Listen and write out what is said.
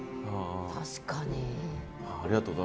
確かに。